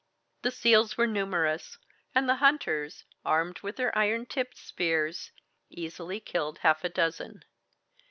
The seals were numerous, and the hunters, armed with their iron tipped spears, easily killed half a dozen.